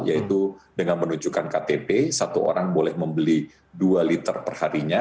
yaitu dengan menunjukkan ktp satu orang boleh membeli dua liter perharinya